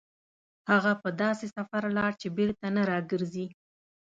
هغه په داسې سفر لاړ چې بېرته نه راګرځي.